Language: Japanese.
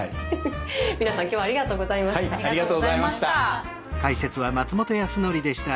皆さん今日はありがとうございました。